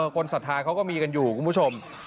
ศรัทธาเขาก็มีกันอยู่คุณผู้ชม